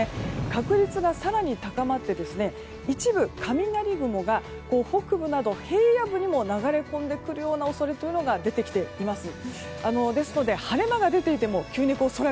確率が更に高まって一部雷雲が北部など平野部にも流れ込んでくる恐れが出てきています。